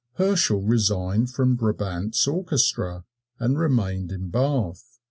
Herschel resigned from Brabandt's Orchestra and remained in Bath.